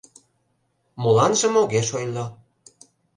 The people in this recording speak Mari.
Моланжым огеш ойло.